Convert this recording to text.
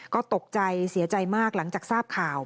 ก็ตกใจเสียใจมากหลังจากทราบข่าว